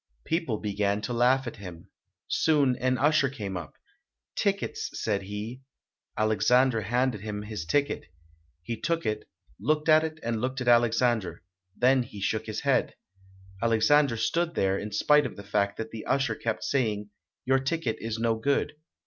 People began to laugh at him. Soon an usher came up. "Tickets", said he. Alexandre handed him his ticket. He took it, looked at it and looked at Alexandre; then he shook his head. Alexandre stood there, in spite of the fact that the usher kept saying, "Your ticket is no good.